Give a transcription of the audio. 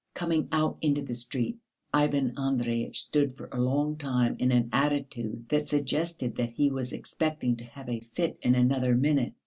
Coming out into the street, Ivan Andreyitch stood for a long time in an attitude that suggested that he was expecting to have a fit in another minute.